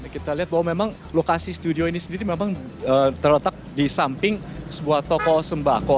kita lihat bahwa memang lokasi studio ini sendiri memang terletak di samping sebuah toko sembako